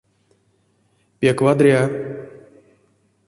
Пек вадря.